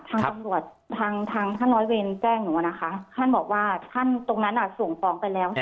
ทางตำรวจทางทางท่านร้อยเวรแจ้งหนูอะนะคะท่านบอกว่าท่านตรงนั้นส่งฟ้องไปแล้ว